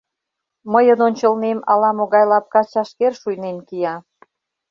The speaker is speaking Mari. мыйын ончылнем ала могай лапка чашкер шуйнен кия